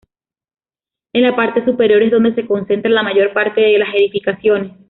En la parte superior es donde se concentra la mayor parte de las edificaciones.